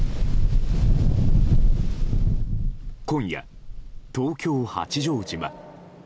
今夜、東京・八丈島。